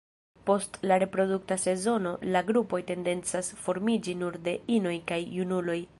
Post la reprodukta sezono la grupoj tendencas formiĝi nur de inoj kaj junuloj.